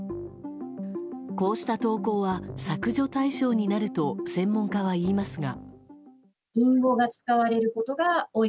こうした投稿は削除対象になると専門家は言いますが。